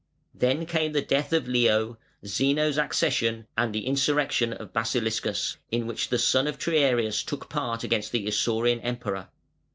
] [Footnote 38: αΰτοκράτωρ] Then came the death of Leo (478), Zeno's accession and the insurrection of Basiliscus, in which the son of Triarius took part against the Isaurian Emperor.